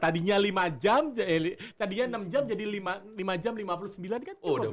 tadinya lima jam tadinya enam jam jadi lima jam lima puluh sembilan kan udah